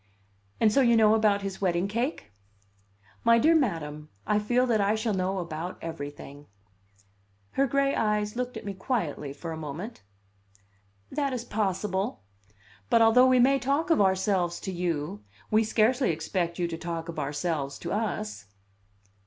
"And so you know about his wedding cake?" "My dear madam, I feel that I shall know about everything." Her gray eyes looked at me quietly for a moment. "That is possible. But although we may talk of ourselves to you, we scarcely expect you to talk of ourselves to us."